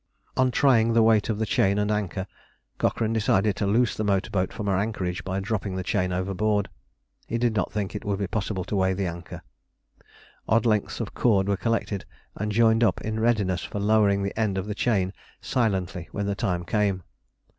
On trying the weight of the chain and anchor, Cochrane decided to loose the motor boat from her anchorage by dropping the chain overboard. He did not think it would be possible to weigh the anchor. Odd lengths of cord were collected and joined up in readiness for lowering the end of the chain silently when the time came.